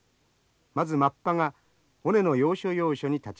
まずマッパが尾根の要所要所に立ちます。